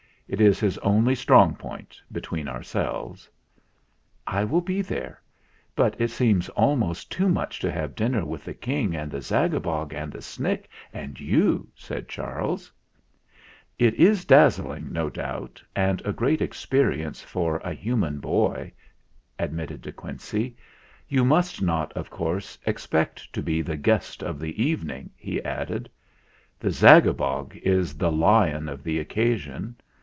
It is his only strong point, be tween ourselves." "I will be there; but it seems almost too much to have dinner with the King and the Zagabog and the Snick and you," said Charles. io6 THE FLINT HEART "It is dazzling, no doubt, and a great experience for a human boy," admitted De Quincey. "You must not, of course, expect to be the Guest of the Evening," he added. "The Zagabog is the Lion of the occasion.